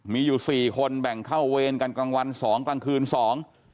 มีอยู่สี่คนแบ่งเข้าเวรกันกลางวันสองกลางคืนสอง